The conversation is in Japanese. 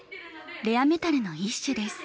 レアメタルの一種です。